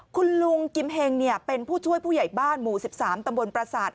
คุณลุงกิมเฮงเป็นผู้ช่วยผู้ใหญ่บ้านหมู่๑๓ตำบลประสาท